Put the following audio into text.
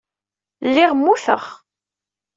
Lliɣ mmuteɣ.